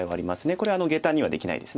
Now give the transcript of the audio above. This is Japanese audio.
これはゲタにはできないです。